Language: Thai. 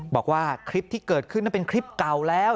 บอกว่าคลิปที่เกิดขึ้นนั้นเป็นคลิปเก่าแล้ว